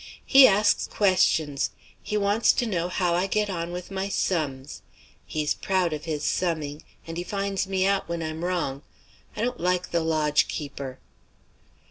"He asks questions; he wants to know how I get on with my sums. He's proud of his summing; and he finds me out when I'm wrong. I don't like the lodge keeper."